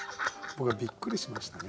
僕はびっくりしましたね。